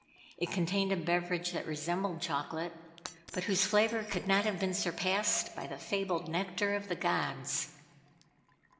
It contained a beverage that resembled chocolate, but whose flavor could not have been surpassed by the fabled nectar of the gods.